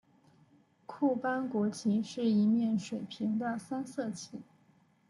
库班国旗是一面水平的三色旗。